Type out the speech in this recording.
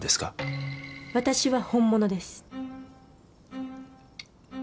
私は本物です。